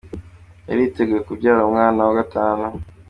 Yari yiteguye kubyara umwana wa gatanu.